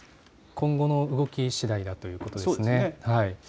今後の動きしだいだということですね。